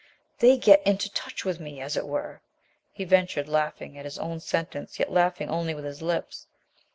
"They get into touch with me, as it were?" he ventured, laughing at his own sentence, yet laughing only with his lips.